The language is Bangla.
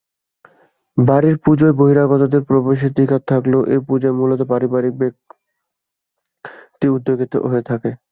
বাড়ির পূজায় বহিরাগতদের প্রবেশাধিকার থাকলেও এই পূজা মূলত পারিবারিক বা ব্যক্তি উদ্যোগে হয়ে থাকে।